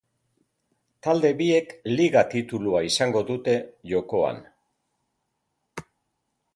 Talde biek liga titulua izango dute jokoan.